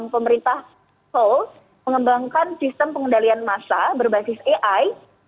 pemerintah seoul mengembangkan sistem pengendalian massa berbasis ai